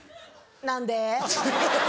何で？